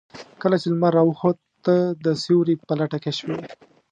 کله چې لمر راوخت تۀ د سيوري په لټه کې شوې.